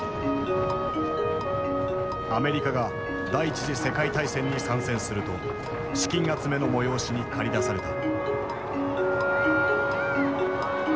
アメリカが第一次世界大戦に参戦すると資金集めの催しに駆り出された。